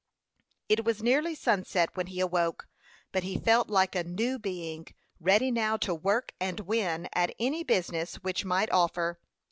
It was nearly sunset when he awoke; but he felt like a new being, ready now to work and win at any business which might offer.